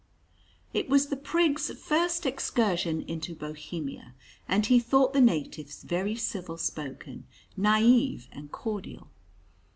It was the Prig's first excursion into Bohemia, and he thought the natives very civil spoken, naïve, and cordial.